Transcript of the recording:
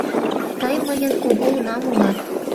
— Тый мыйын кугу унам улат!